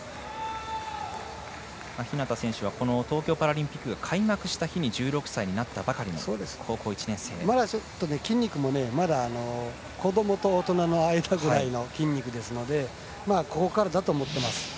日向選手は東京パラリンピックが開幕した日に１６歳になったばかりのまだちょっと筋肉も子どもと大人の間ぐらいの筋肉ですのでここからだと思っています。